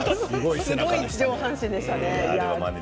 すごい上半身でした。